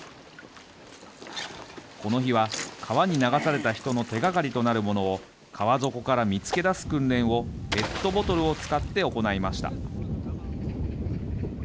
この日は、川に流された人の手がかりとなるものを川底から見つけ出す訓練をペットボトルを使って行いました。